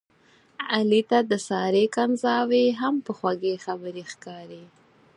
علي ته د سارې کنځاوې هم په خوږې خبرې ښکاري.